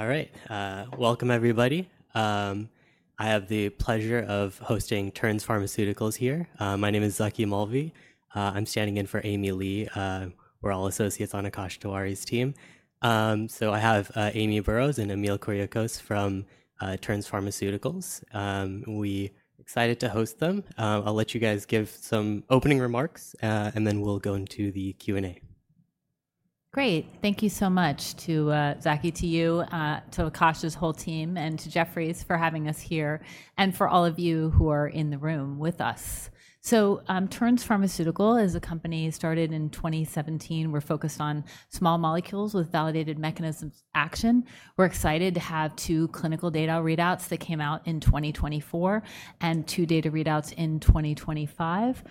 All right, welcome everybody. I have the pleasure of hosting Terns Pharmaceuticals here. My name is Zaki Molvi. I'm standing in for Amy Lee. We're all associates on Akash Tawari's team. So I have Amy Burroughs and Emil Kuriakose from Terns Pharmaceuticals. We're excited to host them. I'll let you guys give some opening remarks, and then we'll go into the Q&A. Great. Thank you so much, Zaki, to you, to Akash's whole team, and to Jefferies for having us here, and for all of you who are in the room with us. Terns Pharmaceuticals is a company started in 2017. We're focused on small molecules with validated mechanisms of action. We're excited to have two clinical data readouts that came out in 2024 and two data readouts in 2025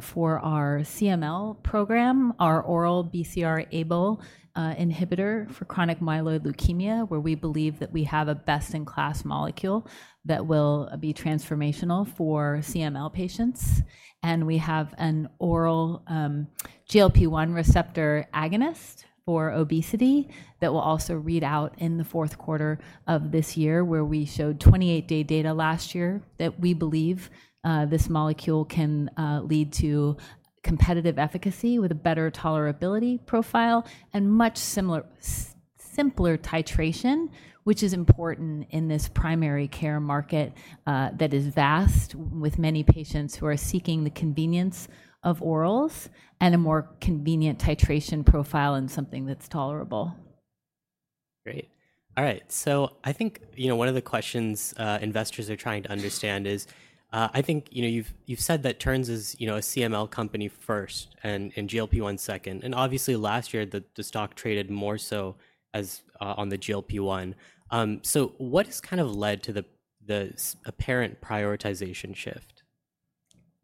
for our CML program, our oral BCR-ABL inhibitor for chronic myeloid leukemia, where we believe that we have a best-in-class molecule that will be transformational for CML patients. We have an oral GLP-1 receptor agonist for obesity that will also read out in the fourth quarter of this year, where we showed 28-day data last year that we believe this molecule can lead to competitive efficacy with a better tolerability profile and much simpler titration, which is important in this primary care market that is vast with many patients who are seeking the convenience of orals and a more convenient titration profile and something that's tolerable. Great. All right, I think one of the questions investors are trying to understand is, I think you've said that Terns is a CML company first and GLP-1 second. Obviously, last year, the stock traded more so on the GLP-1. What has kind of led to the apparent prioritization shift?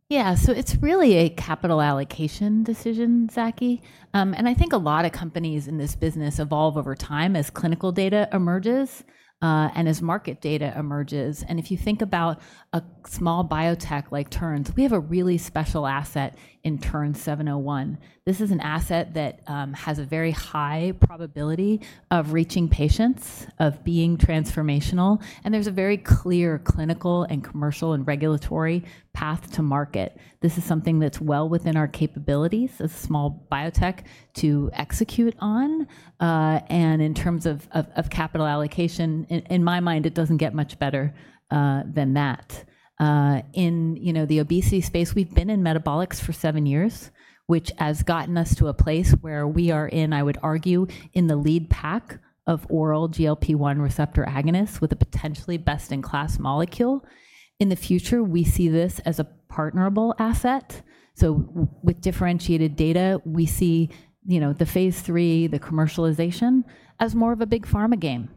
Yeah, so it's really a capital allocation decision, Zaki. I think a lot of companies in this business evolve over time as clinical data emerges and as market data emerges. If you think about a small biotech like Terns, we have a really special asset in Terns-701. This is an asset that has a very high probability of reaching patients, of being transformational. There is a very clear clinical and commercial and regulatory path to market. This is something that's well within our capabilities as a small biotech to execute on. In terms of capital allocation, in my mind, it does not get much better than that. In the obesity space, we've been in metabolics for seven years, which has gotten us to a place where we are in, I would argue, in the lead pack of oral GLP-1 receptor agonists with a potentially best-in-class molecule. In the future, we see this as a partnerable asset. With differentiated data, we see the phase three, the commercialization, as more of a big pharma game.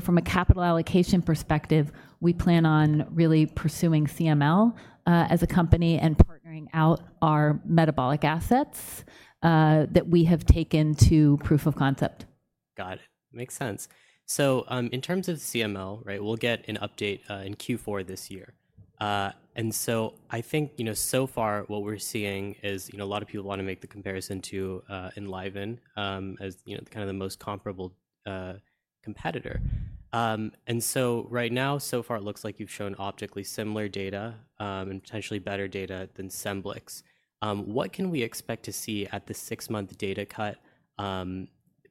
From a capital allocation perspective, we plan on really pursuing CML as a company and partnering out our metabolic assets that we have taken to proof of concept. Got it. Makes sense. In terms of CML, we'll get an update in Q4 this year. I think so far, what we're seeing is a lot of people want to make the comparison to Enliven as kind of the most comparable competitor. Right now, so far, it looks like you've shown optically similar data and potentially better data than Scemblix. What can we expect to see at the six-month data cut,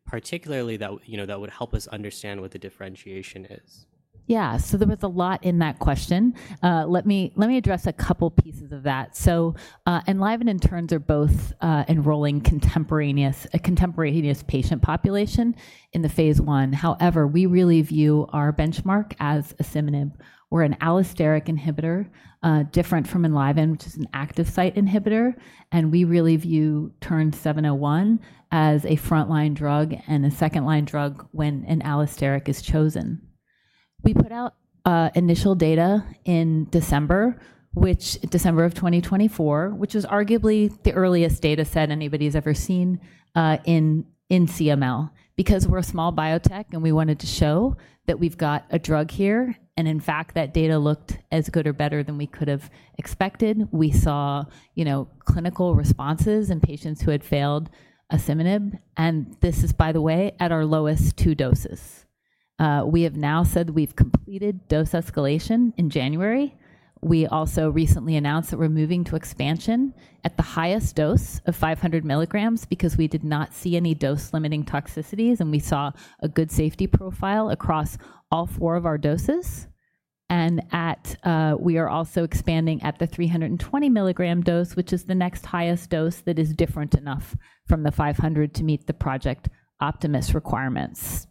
particularly that would help us understand what the differentiation is? Yeah, so there was a lot in that question. Let me address a couple of pieces of that. Enliven and Terns are both enrolling a contemporaneous patient population in the phase one. However, we really view our benchmark as asciminib or an allosteric inhibitor, different from Enliven, which is an active site inhibitor. We really view Terns-701 as a frontline drug and a second-line drug when an allosteric is chosen. We put out initial data in December of 2024, which was arguably the earliest data set anybody's ever seen in CML because we're a small biotech and we wanted to show that we've got a drug here. In fact, that data looked as good or better than we could have expected. We saw clinical responses in patients who had failed asciminib. This is, by the way, at our lowest two doses. We have now said we've completed dose escalation in January. We also recently announced that we're moving to expansion at the highest dose of 500 milligrams because we did not see any dose-limiting toxicities and we saw a good safety profile across all four of our doses. We are also expanding at the 320 milligram dose, which is the next highest dose that is different enough from the 500 to meet the project optimist requirements.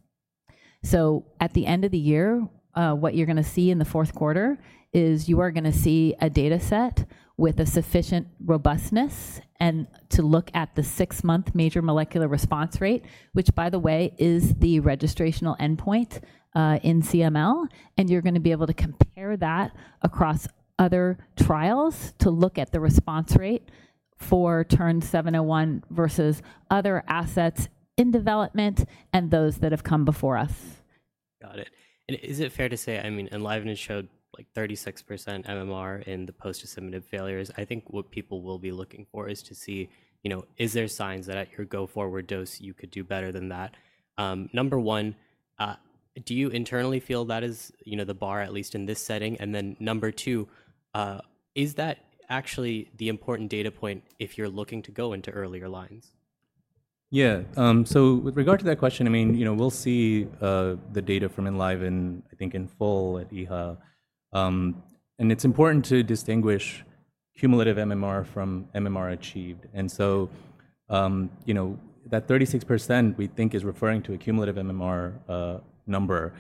At the end of the year, what you're going to see in the fourth quarter is you are going to see a data set with a sufficient robustness to look at the six-month major molecular response rate, which, by the way, is the registrational endpoint in CML. You're going to be able to compare that across other trials to look at the response rate for Terns-701 versus other assets in development and those that have come before us. Got it. Is it fair to say, I mean, Enliven has showed like 36% MMR in the post-asciminib failures? I think what people will be looking for is to see, is there signs that at your go-forward dose, you could do better than that? Number one, do you internally feel that is the bar, at least in this setting? Number two, is that actually the important data point if you're looking to go into earlier lines? Yeah, so with regard to that question, I mean, we'll see the data from Enliven, I think, in full at EHA. It's important to distinguish cumulative MMR from MMR achieved. That 36% we think is referring to a cumulative MMR number.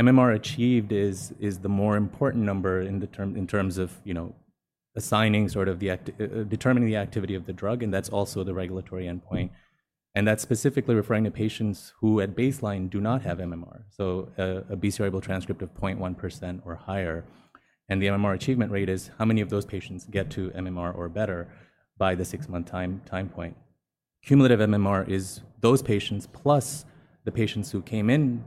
MMR achieved is the more important number in terms of determining the activity of the drug. That's also the regulatory endpoint. That's specifically referring to patients who at baseline do not have MMR, so a BCR-ABL transcript of 0.1% or higher. The MMR achievement rate is how many of those patients get to MMR or better by the six-month time point. Cumulative MMR is those patients plus the patients who came in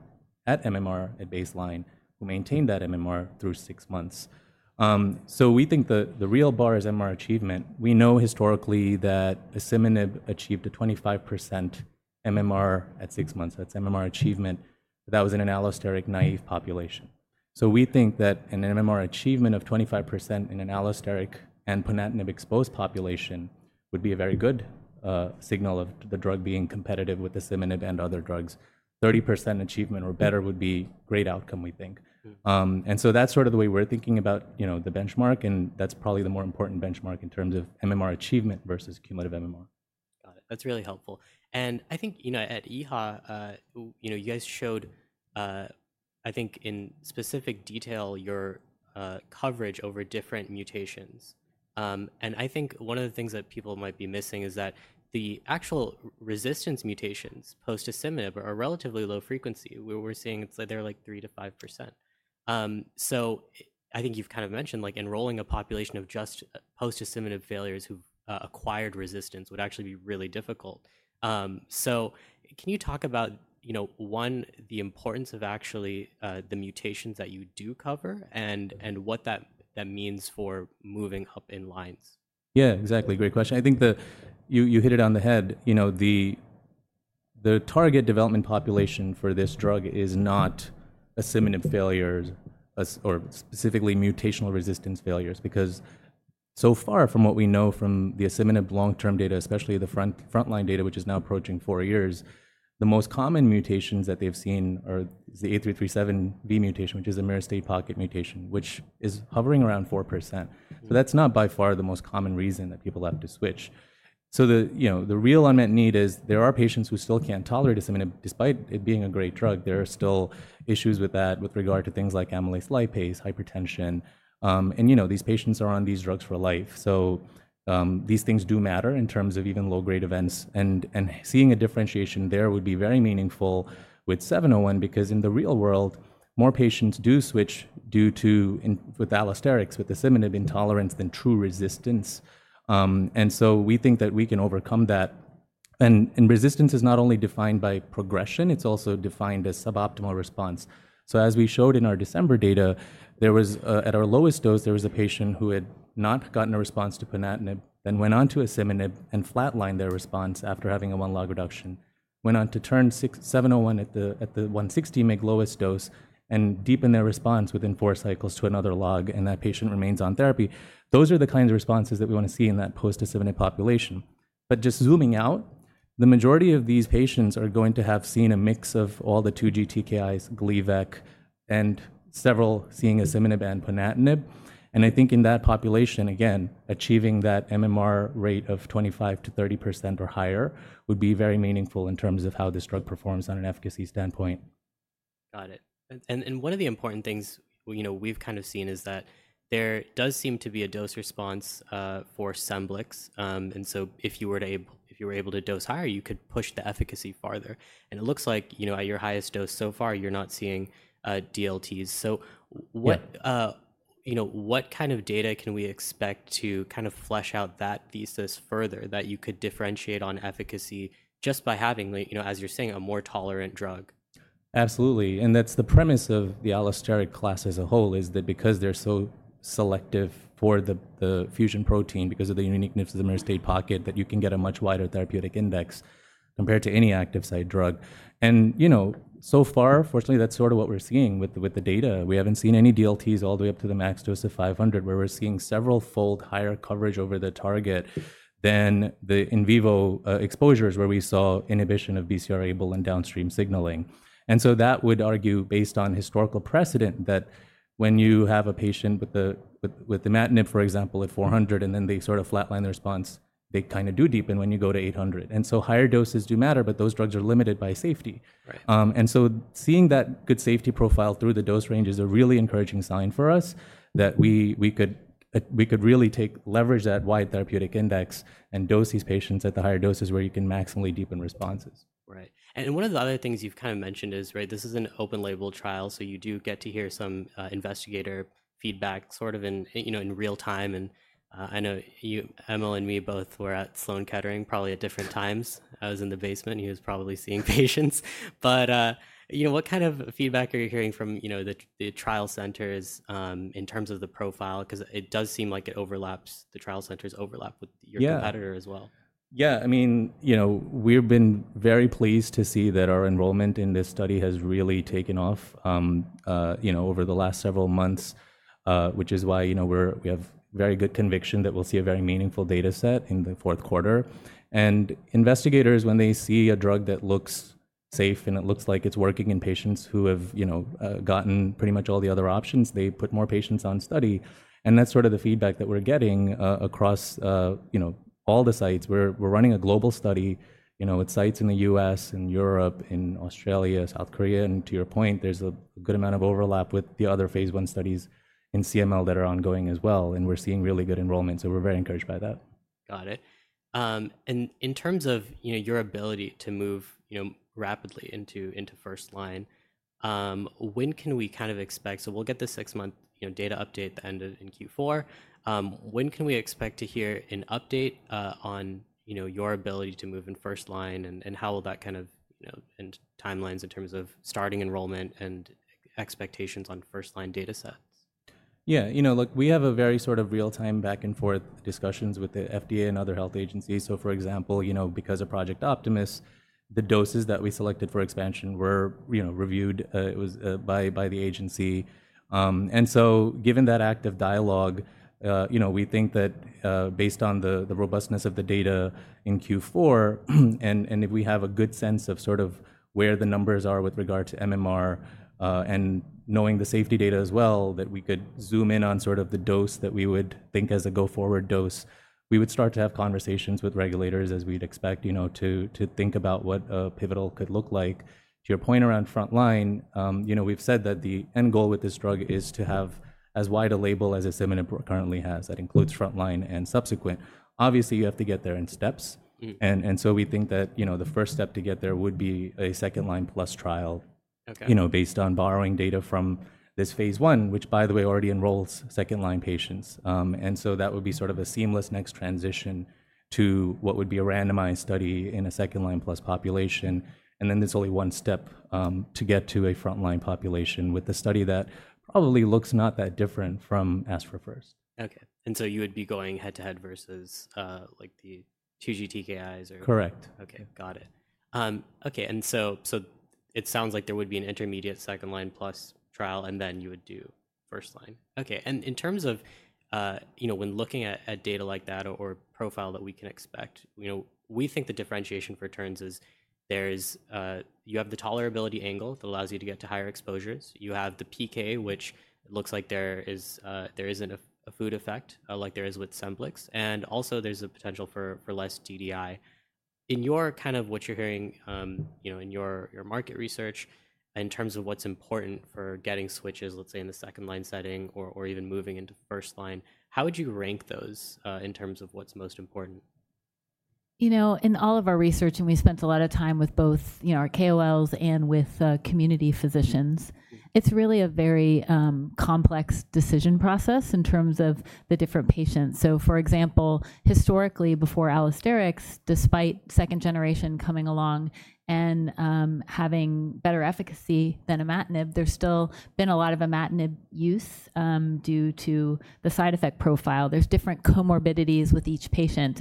at MMR at baseline who maintained that MMR through six months. We think the real bar is MMR achievement. We know historically that asciminib achieved a 25% MMR at six months. That's MMR achievement that was in an allosteric naive population. We think that an MMR achievement of 25% in an allosteric and ponatinib-exposed population would be a very good signal of the drug being competitive with asciminib and other drugs. 30% achievement or better would be a great outcome, we think. That is sort of the way we're thinking about the benchmark. That is probably the more important benchmark in terms of MMR achievement versus cumulative MMR. Got it. That's really helpful. I think at EHA, you guys showed, I think, in specific detail, your coverage over different mutations. I think one of the things that people might be missing is that the actual resistance mutations post-Scemblix are relatively low frequency. We're seeing they're like 3%-5%. I think you've kind of mentioned enrolling a population of just post-Scemblix failures who've acquired resistance would actually be really difficult. Can you talk about, one, the importance of actually the mutations that you do cover and what that means for moving up in lines? Yeah, exactly. Great question. I think you hit it on the head. The target development population for this drug is not asciminib failure or specifically mutational resistance failures because so far from what we know from the asciminib long-term data, especially the frontline data, which is now approaching four years, the most common mutations that they've seen is the A337V mutation, which is a myristate pocket mutation, which is hovering around 4%. That's not by far the most common reason that people have to switch. The real unmet need is there are patients who still can't tolerate asciminib. Despite it being a great drug, there are still issues with that with regard to things like amylase, lipase, hypertension. These patients are on these drugs for life. These things do matter in terms of even low-grade events. Seeing a differentiation there would be very meaningful with 701 because in the real world, more patients do switch with allosterics with the Scemblix intolerance than true resistance. We think that we can overcome that. Resistance is not only defined by progression. It is also defined as suboptimal response. As we showed in our December data, at our lowest dose, there was a patient who had not gotten a response to ponatinib, then went on to Scemblix and flatlined their response after having a one-log reduction, went on to Terns-701 at the 160 mg lowest dose, and deepened their response within four cycles to another log. That patient remains on therapy. Those are the kinds of responses that we want to see in that post-Scemblix population. Just zooming out, the majority of these patients are going to have seen a mix of all the two GTKIs, Gleevec, and several seeing asciminib and ponatinib. I think in that population, again, achieving that MMR rate of 25%-30% or higher would be very meaningful in terms of how this drug performs on an efficacy standpoint. Got it. One of the important things we've kind of seen is that there does seem to be a dose response for Scemblix. If you were able to dose higher, you could push the efficacy farther. It looks like at your highest dose so far, you're not seeing DLTs. What kind of data can we expect to kind of flesh out that thesis further that you could differentiate on efficacy just by having, as you're saying, a more tolerant drug? Absolutely. That is the premise of the allosteric class as a whole, that because they are so selective for the fusion protein, because of the uniqueness of the mirror state pocket, you can get a much wider therapeutic index compared to any active site drug. So far, fortunately, that is sort of what we are seeing with the data. We have not seen any DLTs all the way up to the max dose of 500, where we are seeing several-fold higher coverage over the target than the in-vivo exposures where we saw inhibition of BCR-ABL and downstream signaling. That would argue, based on historical precedent, that when you have a patient with imatinib, for example, at 400, and then they sort of flatline the response, they kind of do deepen when you go to 800. Higher doses do matter, but those drugs are limited by safety. Seeing that good safety profile through the dose range is a really encouraging sign for us that we could really leverage that wide therapeutic index and dose these patients at the higher doses where you can maximally deepen responses. Right. One of the other things you've kind of mentioned is this is an open-label trial. You do get to hear some investigator feedback sort of in real time. I know Emil and me both were at Sloan Kettering probably at different times. I was in the basement. He was probably seeing patients. What kind of feedback are you hearing from the trial centers in terms of the profile? It does seem like the trial centers overlap with your competitor as well. Yeah. I mean, we've been very pleased to see that our enrollment in this study has really taken off over the last several months, which is why we have very good conviction that we'll see a very meaningful data set in the fourth quarter. Investigators, when they see a drug that looks safe and it looks like it's working in patients who have gotten pretty much all the other options, they put more patients on study. That's sort of the feedback that we're getting across all the sites. We're running a global study with sites in the U.S. and Europe and Australia, South Korea. To your point, there's a good amount of overlap with the other phase one studies in CML that are ongoing as well. We're seeing really good enrollment. We're very encouraged by that. Got it. In terms of your ability to move rapidly into first line, when can we kind of expect? We will get the six-month data update at the end of Q4. When can we expect to hear an update on your ability to move in first line? How will that kind of timelines in terms of starting enrollment and expectations on first line data sets? Yeah. Look, we have a very sort of real-time back-and-forth discussions with the FDA and other health agencies. For example, because of Project Optimus, the doses that we selected for expansion were reviewed by the agency. Given that active dialogue, we think that based on the robustness of the data in Q4, and if we have a good sense of sort of where the numbers are with regard to MMR and knowing the safety data as well, that we could zoom in on sort of the dose that we would think as a go-forward dose, we would start to have conversations with regulators as we'd expect to think about what a pivotal could look like. To your point around frontline, we've said that the end goal with this drug is to have as wide a label as asciminib currently has. That includes frontline and subsequent. Obviously, you have to get there in steps. We think that the first step to get there would be a second-line plus trial based on borrowing data from this phase one, which, by the way, already enrolls second-line patients. That would be sort of a seamless next transition to what would be a randomized study in a second-line plus population. There is only one step to get to a frontline population with the study that probably looks not that different from ASFA first. Okay. And so you would be going head-to-head versus the two GTKIs or? Correct. Okay. Got it. Okay. It sounds like there would be an intermediate second-line plus trial, and then you would do first line. In terms of when looking at data like that or profile that we can expect, we think the differentiation for Terns is you have the tolerability angle that allows you to get to higher exposures. You have the PK, which looks like there is not a food effect like there is with Scemblix. Also, there is a potential for less DDI. In your kind of what you are hearing in your market research in terms of what is important for getting switches, let's say, in the second-line setting or even moving into first line, how would you rank those in terms of what is most important? In all of our research, and we spent a lot of time with both our KOLs and with community physicians, it's really a very complex decision process in terms of the different patients. For example, historically, before allosterics, despite second generation coming along and having better efficacy than imatinib, there's still been a lot of imatinib use due to the side effect profile. There are different comorbidities with each patient.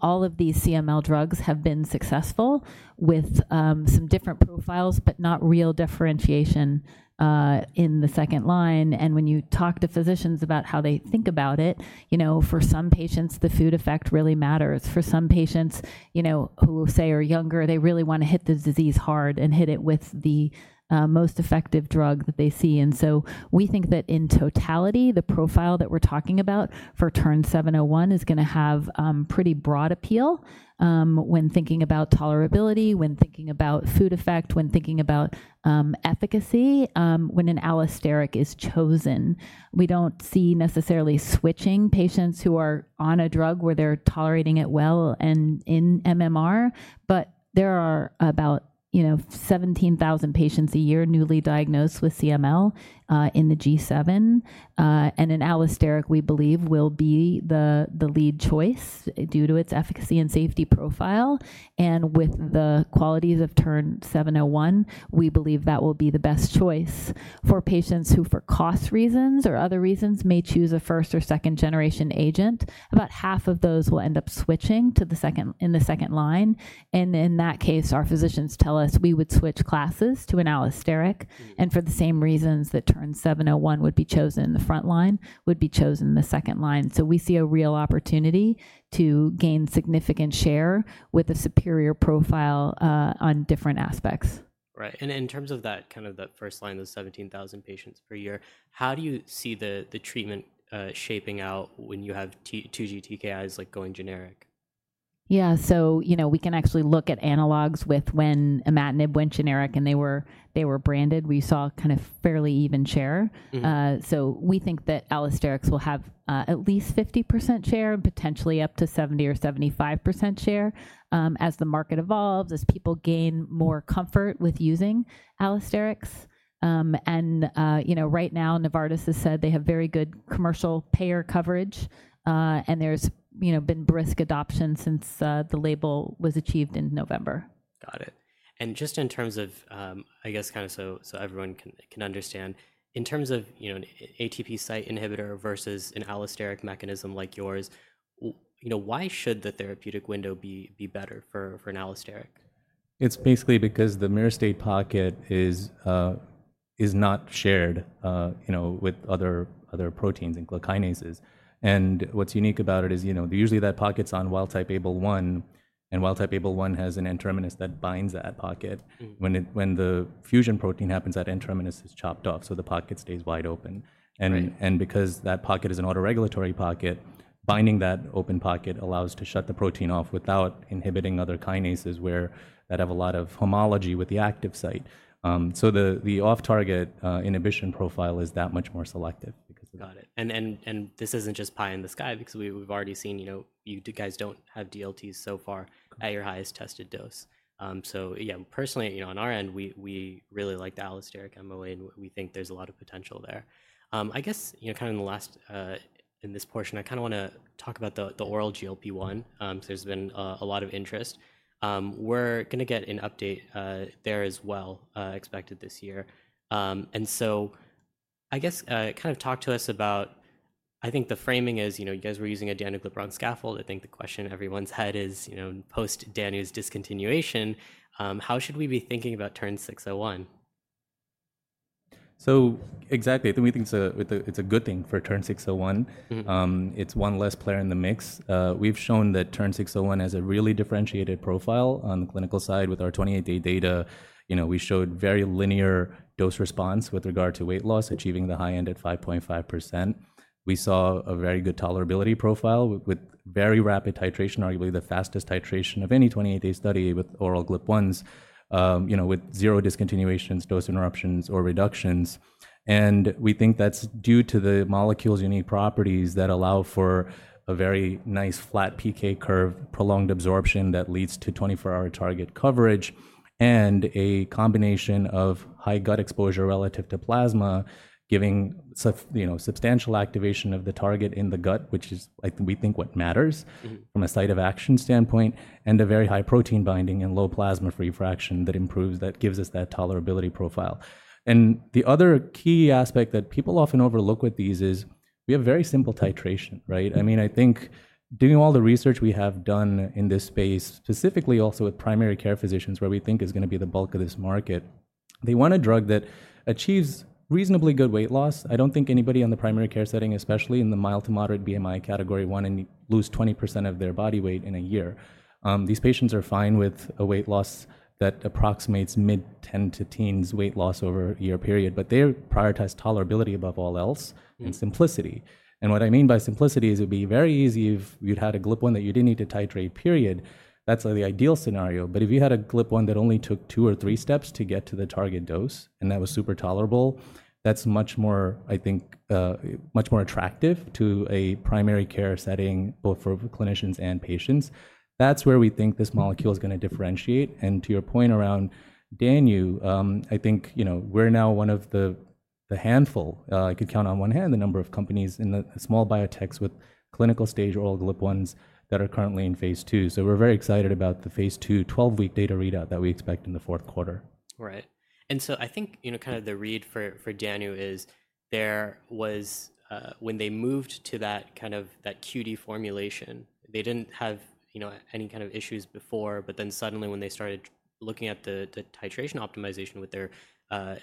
All of these CML drugs have been successful with some different profiles, but not real differentiation in the second line. When you talk to physicians about how they think about it, for some patients, the food effect really matters. For some patients who say are younger, they really want to hit the disease hard and hit it with the most effective drug that they see. We think that in totality, the profile that we're talking about for Terns-701 is going to have pretty broad appeal when thinking about tolerability, when thinking about food effect, when thinking about efficacy when an allosteric is chosen. We do not see necessarily switching patients who are on a drug where they're tolerating it well and in MMR, but there are about 17,000 patients a year newly diagnosed with CML in the G7. An allosteric, we believe, will be the lead choice due to its efficacy and safety profile. With the qualities of Terns-701, we believe that will be the best choice for patients who, for cost reasons or other reasons, may choose a first or second-generation agent. About half of those will end up switching in the second line. In that case, our physicians tell us we would switch classes to an allosteric. For the same reasons, the Terns-701 would be chosen in the front line, would be chosen in the second line. We see a real opportunity to gain significant share with a superior profile on different aspects. Right. In terms of that kind of that first line, those 17,000 patients per year, how do you see the treatment shaping out when you have two GTKIs going generic? Yeah. So we can actually look at analogs with when imatinib went generic and they were branded. We saw kind of fairly even share. We think that allosterics will have at least 50% share and potentially up to 70% or 75% share as the market evolves, as people gain more comfort with using allosterics. Right now, Novartis has said they have very good commercial payer coverage. There's been brisk adoption since the label was achieved in November. Got it. And just in terms of, I guess, kind of so everyone can understand, in terms of an ATP site inhibitor versus an allosteric mechanism like yours, why should the therapeutic window be better for an allosteric? It's basically because the mirror state pocket is not shared with other proteins and kinases. What's unique about it is usually that pocket's on wild-type ABL1. Wild-type ABL1 has an N-terminus that binds that pocket. When the fusion protein happens, that N-terminus is chopped off. The pocket stays wide open. Because that pocket is an autoregulatory pocket, binding that open pocket allows to shut the protein off without inhibiting other kinases that have a lot of homology with the active site. The off-target inhibition profile is that much more selective. Got it. This isn't just pie in the sky because we've already seen you guys don't have DLTs so far at your highest tested dose. Yeah, personally, on our end, we really like the allosteric under way. We think there's a lot of potential there. I guess in this portion, I kind of want to talk about the oral GLP-1. There's been a lot of interest. We're going to get an update there as well expected this year. I guess talk to us about, I think the framing is you guys were using a danuglipron scaffold. I think the question in everyone's head is post-danuglipron's discontinuation, how should we be thinking about Terns-601? Exactly. I think we think it's a good thing for Terns-601. It's one less player in the mix. We've shown that Terns-601 has a really differentiated profile on the clinical side with our 28-day data. We showed very linear dose response with regard to weight loss, achieving the high end at 5.5%. We saw a very good tolerability profile with very rapid titration, arguably the fastest titration of any 28-day study with oral GLP-1s with zero discontinuations, dose interruptions, or reductions. We think that's due to the molecules' unique properties that allow for a very nice flat PK curve, prolonged absorption that leads to 24-hour target coverage, and a combination of high gut exposure relative to plasma, giving substantial activation of the target in the gut, which is, I think, what matters from a site of action standpoint, and a very high protein binding and low plasma free fraction that gives us that tolerability profile. The other key aspect that people often overlook with these is we have very simple titration, right? I mean, I think doing all the research we have done in this space, specifically also with primary care physicians, where we think is going to be the bulk of this market, they want a drug that achieves reasonably good weight loss. I don't think anybody in the primary care setting, especially in the mild to moderate BMI category, wants to lose 20% of their body weight in a year. These patients are fine with a weight loss that approximates mid-10% to teens weight loss over a year period. They prioritize tolerability above all else and simplicity. What I mean by simplicity is it would be very easy if you had a GLP-1 that you didn't need to titrate, period. That's the ideal scenario. If you had a GLP-1 that only took two or three steps to get to the target dose and that was super tolerable, that's much more, I think, much more attractive to a primary care setting both for clinicians and patients. That's where we think this molecule is going to differentiate. To your point around danuglipron, I think we're now one of the handful. I could count on one hand the number of companies in the small biotechs with clinical stage oral GLP-1s that are currently in phase two. We are very excited about the phase two 12-week data readout that we expect in the fourth quarter. Right. I think kind of the read for danu is there was when they moved to that kind of that QD formulation, they did not have any kind of issues before. Suddenly, when they started looking at the titration optimization with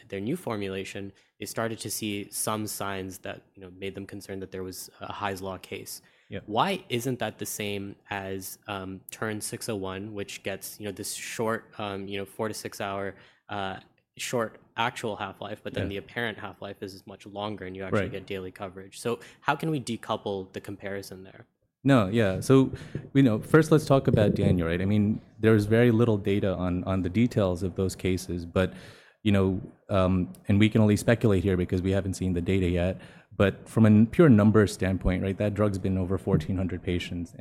their new formulation, they started to see some signs that made them concerned that there was a High-low case. Why is not that the same as Terns-601, which gets this short four- to six-hour short actual half-life, but then the apparent half-life is much longer and you actually get daily coverage? How can we decouple the comparison there? No. Yeah. First, let's talk about danu, right? I mean, there's very little data on the details of those cases. We can only speculate here because we haven't seen the data yet. From a pure numbers standpoint, that drug's been over 1,400 patients.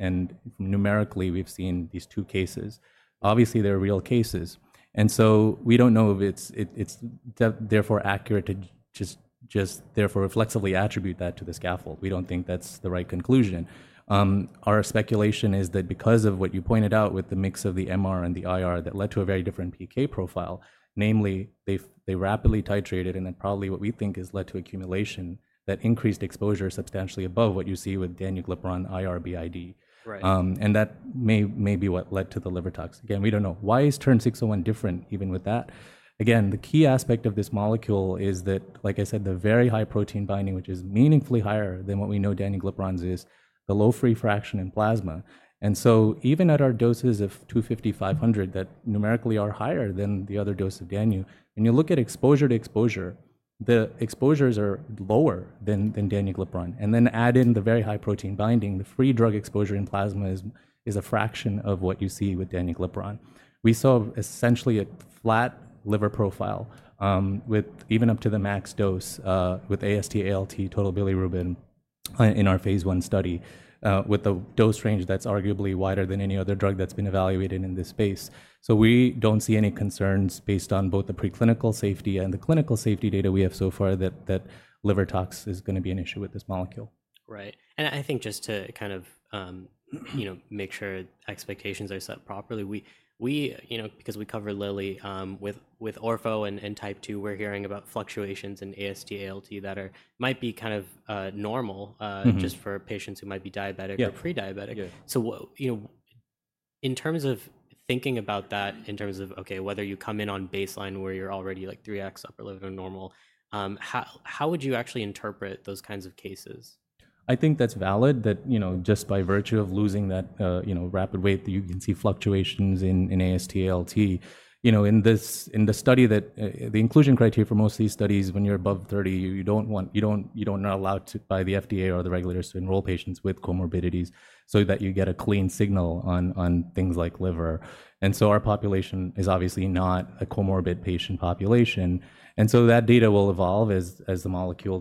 Numerically, we've seen these two cases. Obviously, they're real cases. We don't know if it's therefore accurate to just therefore flexibly attribute that to the scaffold. We don't think that's the right conclusion. Our speculation is that because of what you pointed out with the mix of the MR and the IR that led to a very different PK profile, namely, they rapidly titrated and then probably what we think has led to accumulation that increased exposure substantially above what you see with danuglipron IR BID. That may be what led to the liver tox. Again, we don't know. Why is Terns 601 different even with that? Again, the key aspect of this molecule is that, like I said, the very high protein binding, which is meaningfully higher than what we know danuglipron's is, the low free fraction in plasma. Even at our doses of 250, 500 that numerically are higher than the other dose of danu, when you look at exposure to exposure, the exposures are lower than danuglipron. Add in the very high protein binding, the free drug exposure in plasma is a fraction of what you see with danuglipron. We saw essentially a flat liver profile with even up to the max dose with AST, ALT, total bilirubin in our phase one study with a dose range that's arguably wider than any other drug that's been evaluated in this space. We don't see any concerns based on both the preclinical safety and the clinical safety data we have so far that liver tox is going to be an issue with this molecule. Right. I think just to kind of make sure expectations are set properly, because we cover Lilly with orfo and type 2, we're hearing about fluctuations in AST, ALT that might be kind of normal just for patients who might be diabetic or prediabetic. In terms of thinking about that, in terms of, okay, whether you come in on baseline where you're already like 3x upper limit of normal, how would you actually interpret those kinds of cases? I think that's valid that just by virtue of losing that rapid weight, you can see fluctuations in AST, ALT. In the study that the inclusion criteria for most of these studies, when you're above 30, you are not allowed by the FDA or the regulators to enroll patients with comorbidities so that you get a clean signal on things like liver. Our population is obviously not a comorbid patient population. That data will evolve as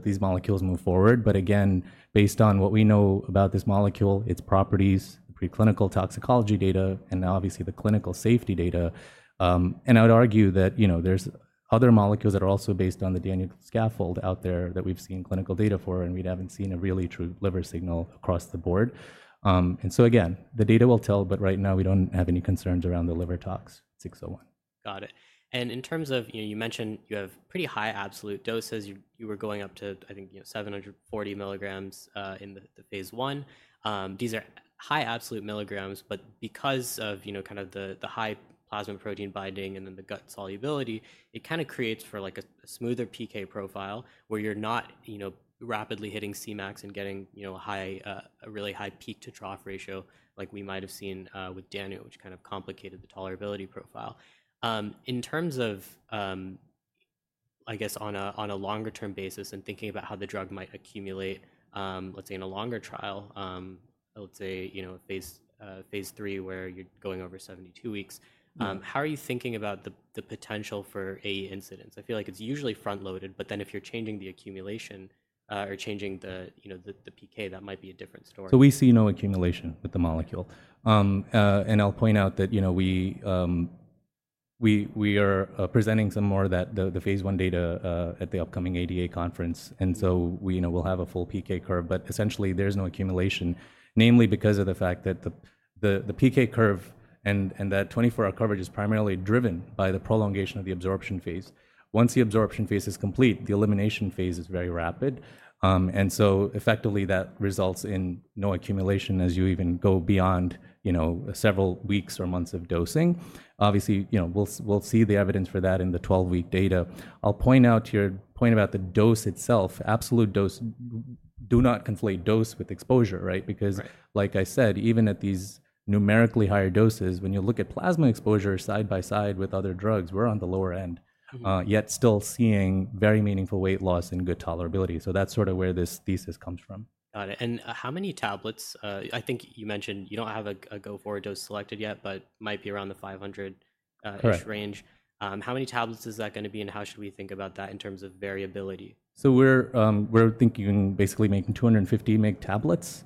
these molecules move forward. Again, based on what we know about this molecule, its properties, preclinical toxicology data, and obviously the clinical safety data. I would argue that there are other molecules that are also based on the danuglipron scaffold out there that we've seen clinical data for, and we haven't seen a really true liver signal across the board. Again, the data will tell, but right now we do not have any concerns around the liver tox 601. Got it. In terms of you mentioned you have pretty high absolute doses. You were going up to, I think, 740 milligrams in the phase one. These are high absolute milligrams, but because of kind of the high plasma protein binding and then the gut solubility, it kind of creates for a smoother PK profile where you're not rapidly hitting Cmax and getting a really high peak to trough ratio like we might have seen with danuglipron, which kind of complicated the tolerability profile. In terms of, I guess, on a longer-term basis and thinking about how the drug might accumulate, let's say in a longer trial, let's say phase three where you're going over 72 weeks, how are you thinking about the potential for AE incidents? I feel like it's usually front-loaded, but then if you're changing the accumulation or changing the PK, that might be a different story. We see no accumulation with the molecule. I'll point out that we are presenting some more of that, the phase one data at the upcoming ADA conference. We'll have a full PK curve, but essentially there's no accumulation, namely because of the fact that the PK curve and that 24-hour coverage is primarily driven by the prolongation of the absorption phase. Once the absorption phase is complete, the elimination phase is very rapid. Effectively, that results in no accumulation as you even go beyond several weeks or months of dosing. Obviously, we'll see the evidence for that in the 12-week data. I'll point out to your point about the dose itself, absolute dose, do not conflate dose with exposure, right? Because like I said, even at these numerically higher doses, when you look at plasma exposure side by side with other drugs, we're on the lower end, yet still seeing very meaningful weight loss and good tolerability. That is sort of where this thesis comes from. Got it. And how many tablets? I think you mentioned you do not have a G 4 dose selected yet, but might be around the 500-ish range. How many tablets is that going to be and how should we think about that in terms of variability? We're thinking basically making 250 mg tablets.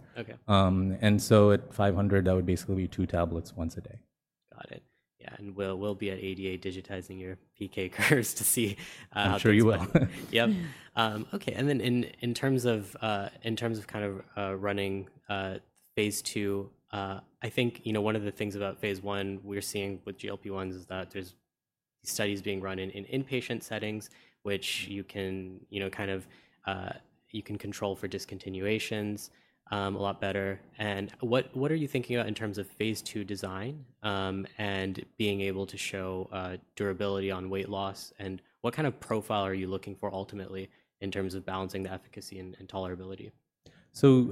And at 500, that would basically be two tablets once a day. Got it. Yeah. We'll be at ADA digitizing your PK curves to see. I'm sure you will. Yep. Okay. In terms of kind of running phase two, I think one of the things about phase one we're seeing with GLP-1s is that there's studies being run in inpatient settings, which you can kind of control for discontinuations a lot better. What are you thinking about in terms of phase two design and being able to show durability on weight loss? What kind of profile are you looking for ultimately in terms of balancing the efficacy and tolerability?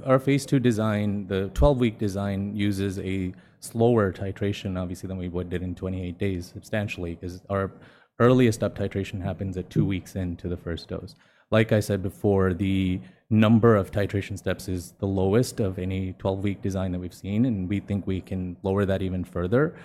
Our phase two design, the 12-week design, uses a slower titration, obviously, than we did in 28 days, substantially because our earliest up titration happens at two weeks into the first dose. Like I said before, the number of titration steps is the lowest of any 12-week design that we've seen, and we think we can lower that even further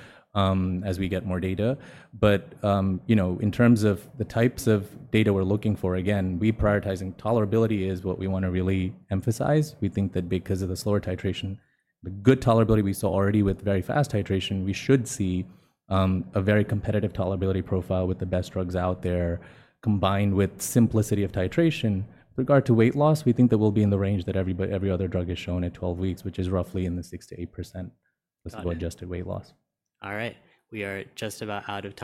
as we get more data. In terms of the types of data we're looking for, again, we prioritizing tolerability is what we want to really emphasize. We think that because of the slower titration, the good tolerability we saw already with very fast titration, we should see a very competitive tolerability profile with the best drugs out there combined with simplicity of titration. With regard to weight loss, we think that we'll be in the range that every other drug has shown at 12 weeks, which is roughly in the 6-8% adjusted weight loss. All right. We are just about out of.